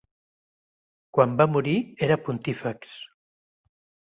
Quan va morir era pontífex.